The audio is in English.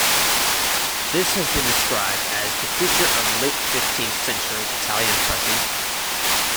This has been described as "the creature of late-fifteenth-century Italian presses".